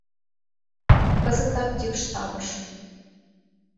Кызытак дивштабыш.